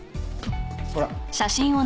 ほら。